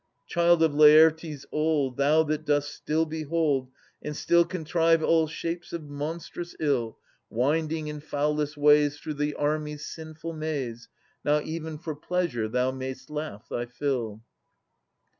Child of Laertes old, Thou that dost still behold And still contrive all shapes of monstrous ill, 381 411] Atas 67 Winding in foulest ways Through the army's sinful maze, — Now even for pleasure thou may'st laugh thy fill.